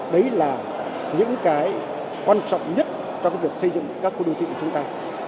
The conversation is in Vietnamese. đấy là những cái quan trọng nhất cho cái việc xây dựng các khu đô thị của chúng ta